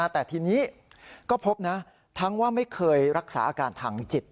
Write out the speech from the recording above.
แต่ทีนี้ก็พบนะทั้งว่าไม่เคยรักษาอาการทางจิต